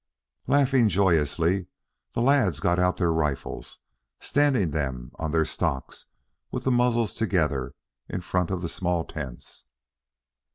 Laughing joyously, the lads got out their rifles, standing them on their stocks, with the muzzles together in front of the small tents.